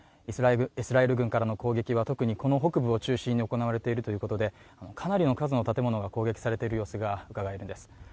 イスラエル軍からの攻撃は特にこの北部を中心に行われているということで、かなりの数の建物が攻撃されている様子がうかがえるんです。